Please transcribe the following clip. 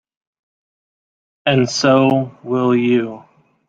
And so will you.